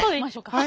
はい。